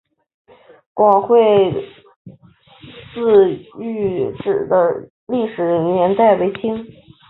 广惠寺遗址的历史年代为清。